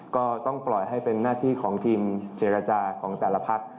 ก็ต้องปล่อยให้เป็นหน้าที่ของทีมเจรจาของแต่ละพัก